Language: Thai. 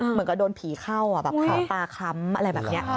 เหมือนกับโดนผีเข้าแบบเผาตาคล้ำอะไรแบบนี้